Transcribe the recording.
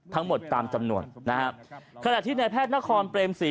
ทั้งหมดตามจำนวนนะฮะขณะที่ในแพทย์นครเปรมศรี